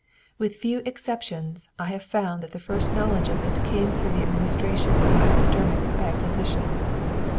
With few exceptions, I have found that the first knowledge of it came through the administration of a hypodermic by a physician.